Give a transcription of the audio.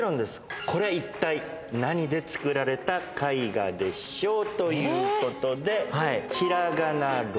これいったい何で作られた絵画でしょうということで平仮名６文字です。